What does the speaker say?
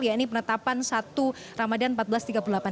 ya ini penetapan satu ramadhan